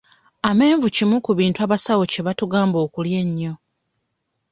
Amenvu kimu ku bintu abasawo kye batugamba okulya ennyo.